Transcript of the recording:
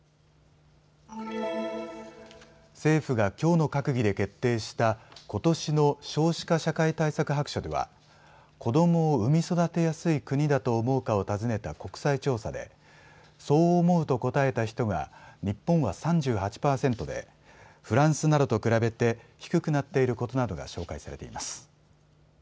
政府がきょうの閣議で決定したことしの少子化社会対策白書では子どもを生み育てやすい国だと思うかを尋ねた国際調査でそう思うと答えた人が日本は３８％でフランスなどと比べて低くなっていることなどが紹介されています。